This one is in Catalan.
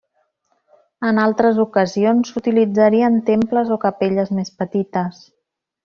En altres ocasions s'utilitzarien temples o capelles més petites.